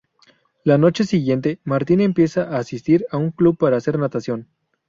La noche siguiente, Martín empieza a asistir a un club para hacer natación.